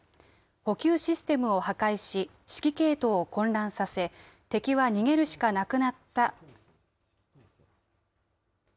補給システムを破壊し、指揮系統を混乱させ、敵は逃げるしかなくなった。